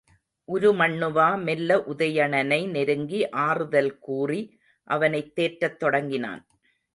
உருமண்ணுவா மெல்ல உதயணனை நெருங்கி ஆறுதல் கூறி அவனைத் தேற்றத் தொடங்கினான்.